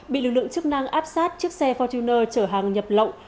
bị lực lượng chức năng áp sát chiếc xe fortuner trở hàng nhập lộng